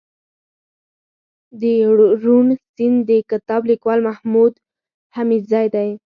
دروڼ سيند دکتاب ليکوال محمودحميدزى دئ